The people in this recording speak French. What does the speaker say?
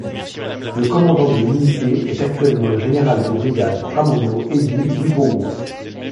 Le commandant de l'unité est actuellement le général de brigade Pramono Edhie Wibowo.